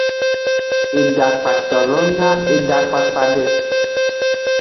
Edakpato lo nya edakpakpa de.